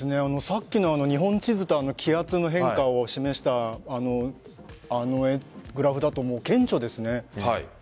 さっきの日本地図と気圧の変化を示したグラフだと顕著ですね。